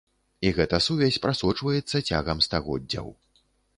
І гэта сувязь прасочваецца цягам стагоддзяў.